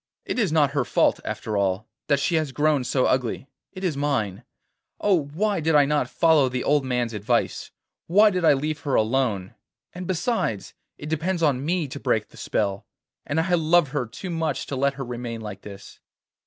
'It is not her fault, after all, that she has grown so ugly, it is mine. Oh! why did I not follow the old man's advice? Why did I leave her alone? And besides, it depends on me to break the spell, and I love her too much to let her remain like this.